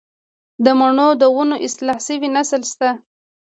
د مڼو د ونو اصلاح شوی نسل شته